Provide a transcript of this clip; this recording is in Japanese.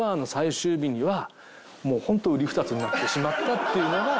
っていうのがまあ。